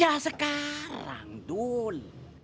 ya sekarang dul